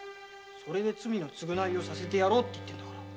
それで罪の償いをさせてやろうってわけよ。